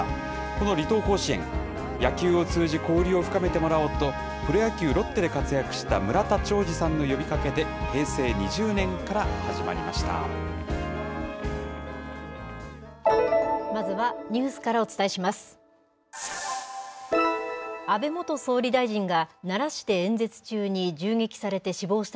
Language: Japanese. この離島甲子園、野球を通じ、交流を深めてもらおうと、プロ野球・ロッテで活躍した村田ちょうじさんの呼びかけで、平成まずはニュースからお伝えします。